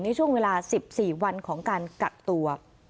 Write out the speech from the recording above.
ในช่วงเวลา๑๔วันของการกักตัว